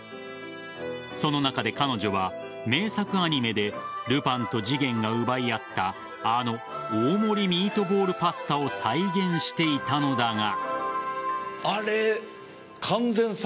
その中で彼女は名作アニメでルパンと次元が奪い合ったあの大盛りミートボールパスタを再現していたのだが。